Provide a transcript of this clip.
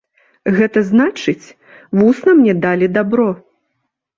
Гэта значыць, вусна мне далі дабро.